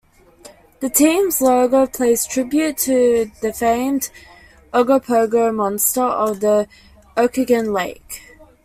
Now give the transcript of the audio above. The team's logo pays tribute to the famed Ogopogo monster, of the Okanagan Lake.